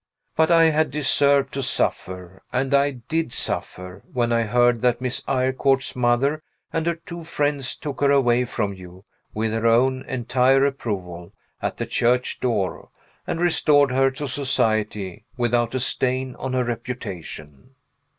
But I had deserved to suffer; and I did suffer, when I heard that Miss Eyrecourt's mother and her two friends took her away from you with her own entire approval at the church door, and restored her to society, without a stain on her reputation.